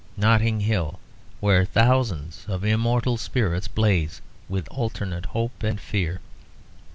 Notting Hill where thousands of immortal spirits blaze with alternate hope and fear."